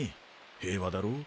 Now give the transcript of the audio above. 平和だろ？